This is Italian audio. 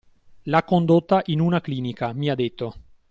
L'ha condotta in una clinica, mi ha detto.